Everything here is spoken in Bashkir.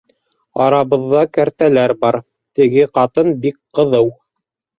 Арабыҙҙа кәртәләр бар, Теге ҡатын бик ҡыҙыу